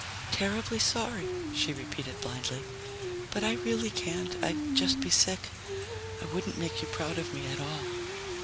"Terribly sorry," she repeated blindly, "but I really can't. I'd just be sick. I wouldn't make you proud of me at all."